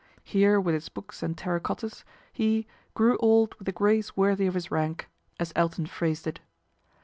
Here with his books and terra cottas he " grew old with a grace worthy of his rank," as Elton phrased it.